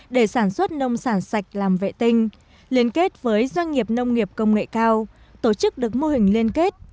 để sản xuất nông sản sạch làm vệ tinh liên kết với doanh nghiệp nông nghiệp công nghệ cao tổ chức được mô hình liên kết